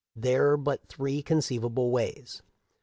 There are but three conceivable ways.